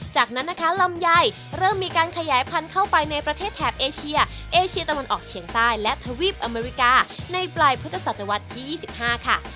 จากนั้นนะคะลำไยเริ่มมีการขยายพันธุ์เข้าไปในประเทศแถบเอเชียเอเชียตะวันออกเฉียงใต้และทวีปอเมริกาในปลายพุทธศตวรรษที่๒๕ค่ะ